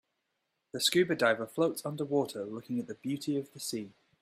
The scuba diver floats underwater looking at the beauty of the sea.